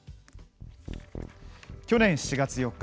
去年７月４日。